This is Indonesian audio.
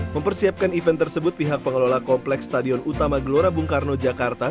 mempersiapkan event tersebut pihak pengelola kompleks stadion utama gelora bung karno jakarta